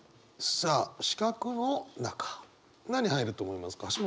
さあ四角の中何入ると思いますか？